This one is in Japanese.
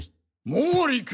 毛利君